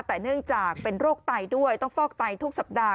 แต่เนื่องจากเป็นโรคไตด้วยต้องฟอกไตทุกสัปดาห